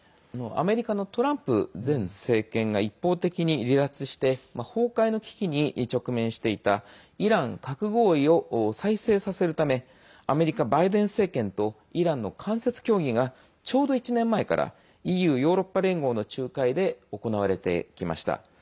アメリカのトランプ前政権が一方的に離脱して崩壊の危機に直面していたイラン核合意を再生させるためアメリカ、バイデン政権とイランの間接協議がちょうど１年前からＥＵ＝ヨーロッパ連合の仲介で行われてきました。